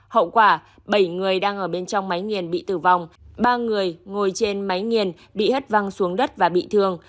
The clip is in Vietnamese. hậu quả bảy người đang ở bên trong máy nghiền bị tử vong ba người ngồi trên máy nghiền bị hất văng xuống đất và bị thương